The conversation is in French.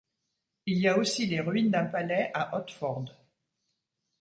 Il y aussi les ruines d'un palais à Otford.